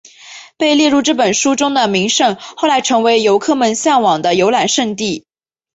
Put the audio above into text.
被列入这本书中的名山后来成为游客们向往的游览胜地。